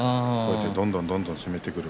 どんどん攻めてくる。